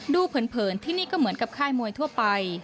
เผินที่นี่ก็เหมือนกับค่ายมวยทั่วไป